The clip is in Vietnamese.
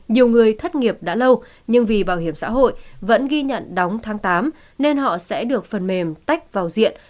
nhiều người thất nghiệp đã lâu nhưng vì bảo hiểm xã hội vẫn ghi nhận đóng tháng tám nên họ sẽ được phần mềm tách vào diện